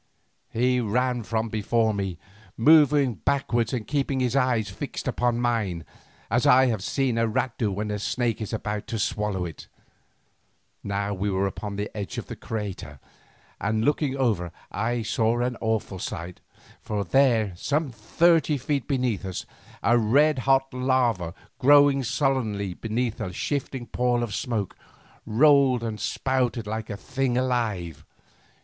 He ran from before me, moving backwards and keeping his eyes fixed upon mine, as I have seen a rat do when a snake is about to swallow it. Now we were upon the edge of the crater, and looking over I saw an awful sight. For there, some thirty feet beneath us, the red hot lava glowing sullenly beneath a shifting pall of smoke, rolled and spouted like a thing alive.